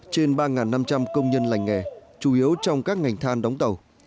trên ba năm trăm linh công nhân lành nghề chủ yếu trong các ngành than đóng tàu